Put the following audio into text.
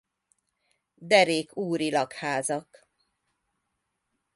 Derék uri lakházak.